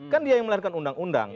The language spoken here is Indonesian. kan dia yang melahirkan undang undang